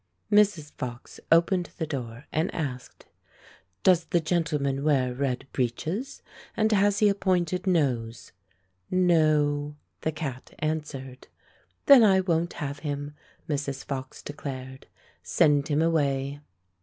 Mrs. Fox opened the door and asked, "Does the gentleman wear red breeches, and has he a pointed nose?" "No," the cat answered. "Then I won't have him," Mrs. Fox de clared. "Send him away."